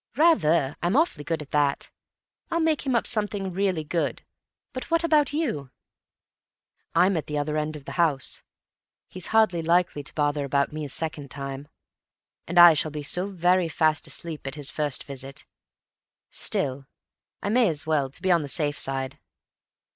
"Rather. I'm awfully good at that. I'll make him up something really good. But what about you?" "I'm at the other end of the house; he's hardly likely to bother about me a second time. And I shall be so very fast asleep at his first visit. Still, I may as well—to be on the safe side."